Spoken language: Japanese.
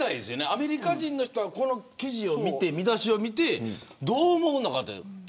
アメリカ人の人はこの見出しを見てどう思うのか。